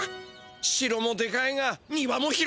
しろもでかいが庭も広い！